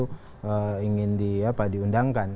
kalau ingin diundangkan